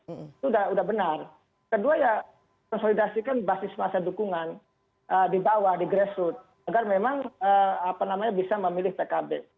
itu sudah benar kedua ya konsolidasikan basis masa dukungan di bawah di grassroot agar memang apa namanya bisa memilih pkb